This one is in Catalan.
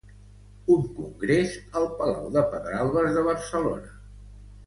Un Congrés al Palau de Pedralbes de Barcelona.